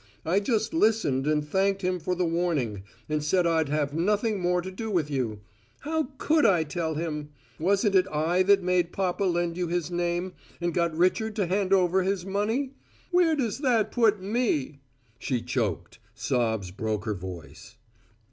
I just listened and thanked him for the warning, and said I'd have nothing more to do with you. How could I tell him? Wasn't it I that made papa lend you his name, and got Richard to hand over his money? Where does that put me?" She choked; sobs broke her voice.